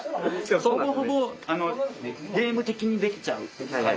ほぼほぼゲーム的にできちゃうから。